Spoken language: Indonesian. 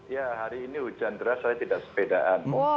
ya hari ini hujan deras saya tidak sepedaan